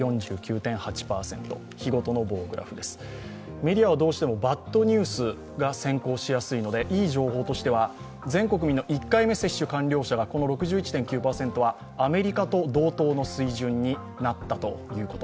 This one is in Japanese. メディアはどうしてもバッドニュースが先行しやすいのでいい情報としては、全国民の１回目接種完了者がこの６１．９％はアメリカと同等の水準になったということ。